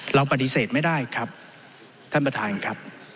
เราปฏิเสธไม่ได้ครับท่านประธานครับ